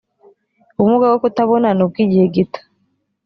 ubumuga bwo kutabona ni ubw’igihe gito